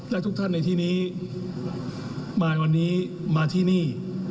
และทุกท่านในที่นี้มาวันนี้มาที่นี่